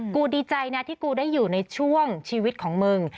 กูดีใจนะที่กูได้อยู่ในช่วงชีวิตของมึง